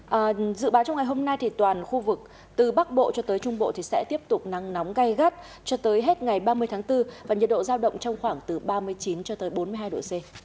vâng dự báo trong ngày hôm nay thì toàn khu vực từ bắc bộ cho tới trung bộ thì sẽ tiếp tục nắng nóng gai gắt cho tới hết ngày ba mươi tháng bốn và nhiệt độ giao động trong khoảng từ ba mươi chín cho tới bốn mươi hai độ c